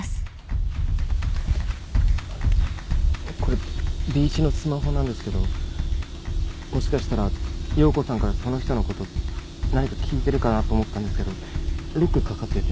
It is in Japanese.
これＢ一のスマホなんですけどもしかしたら葉子さんからその人のこと何か聞いてるかなと思ったんですけどロックかかってて。